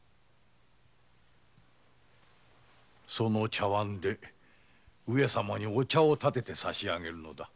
その茶碗で上様にお茶を点てて差し上げるのだ。